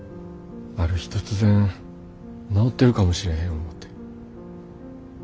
ある日突然治ってるかもしれへん思て。